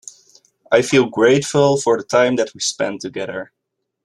I feel grateful for the time that we have spend together.